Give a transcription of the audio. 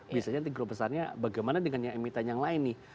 biasanya nanti grup besarnya bagaimana dengan yang emiten yang lain nih